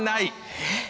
えっ。